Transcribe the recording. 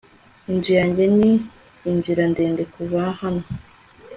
inzu yanjye ni inzira ndende kuva hano